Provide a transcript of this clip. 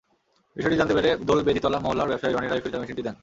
বিষয়টি জানতে পেরে দোলবেদিতলা মহল্লার ব্যবসায়ী রনি রায় ফিল্টার মেশিনটি দেন।